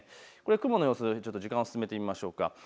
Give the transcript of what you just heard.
雲の様子、時間を進めてみましょう。